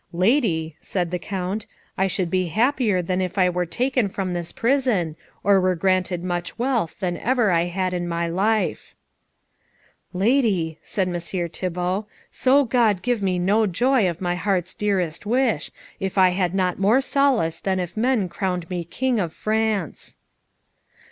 "Lady," said the Count, "I should be happier than if I were taken from this prison, or were granted more wealth than ever I have had in my life." "Lady," said Messire Thibault, "so God give me no joy of my heart's dearest wish, if I had not more solace than if men crowned me King of France."